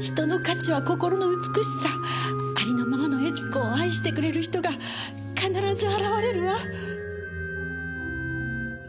人の価値は心の美しさありのままの悦子を愛してくれる人が必ず現れるわ！